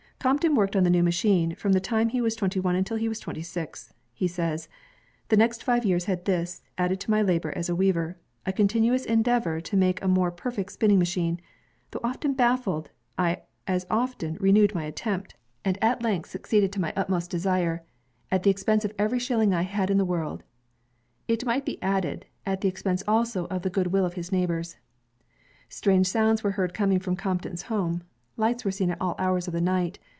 Crompton worked on the new machine from the time he was twenty one until he was twenty six. He says; "The next five years had this ... added to my labor as a weaver ..., a continuous endeavor to make a more perfect spinning machine. Though often baffled, I as often renewed the attempt, and at length succeeded to my SPINNING MACHINES lOI Utmost desire, at the expense of every shilling I had in the world/' It might be added, at the expense also of the good will of his neighbors. Strange sounds were heard coming from Crompton's home. Lights were seen at all hours of the night.